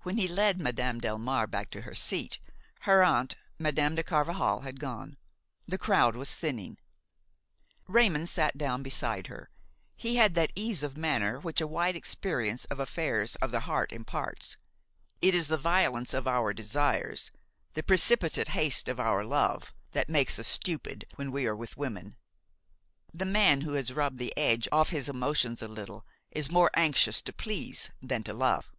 When he led Madame Delmare back to her seat, her aunt, Madame de Carvajal, had gone; the crowd was thinning. Raymon sat down beside her. He had that ease of manner which a wide experience of affairs of the heart imparts; it is the violence of our desires, the precipitate haste of our love, that makes us stupid when we are with women. The man who has rubbed the edge off his emotions a little is more anxious to please than to love.